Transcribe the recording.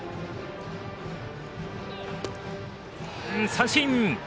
三振。